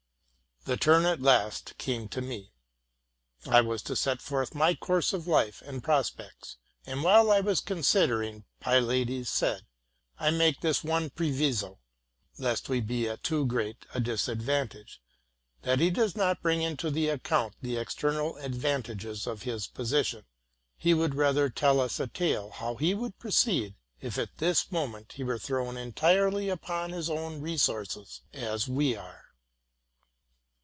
The turn at last came to me. I was to set forth my course of life and prospects; and, while I was considering, Pylades said, '' I make this one proviso, lest we be at too great a disadvantage, that he does not bring into the account the external advantages of his position. He should rather tell us a tale how he would proceed if at this moment he were thrown entirely upon his own resources, as we are."